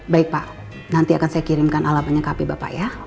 baik pak nanti akan saya kirimkan alamatnya ke hp bapak ya